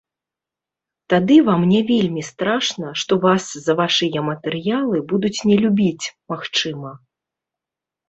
Тады вам не вельмі страшна, што вас за вашыя матэрыялы будуць не любіць, магчыма.